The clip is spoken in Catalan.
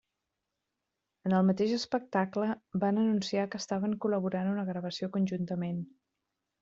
En el mateix espectacle van anunciar que estaven col·laborant en una gravació conjuntament.